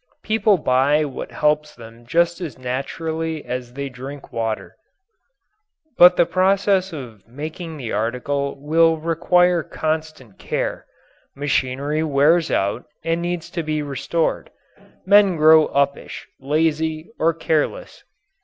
People buy what helps them just as naturally as they drink water. But the process of making the article will require constant care. Machinery wears out and needs to be restored. Men grow uppish, lazy, or careless.